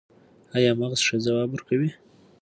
ایا مغز ښه ځواب ورکوي؟